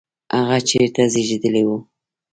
هغه چیرته زیږېدلی و؟